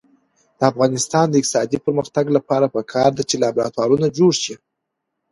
د افغانستان د اقتصادي پرمختګ لپاره پکار ده چې لابراتوارونه جوړ شي.